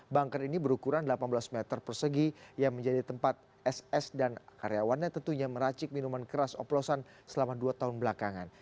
bunker ini berukuran delapan belas meter persegi yang menjadi tempat ss dan karyawannya tentunya meracik minuman keras oplosan selama dua tahun belakangan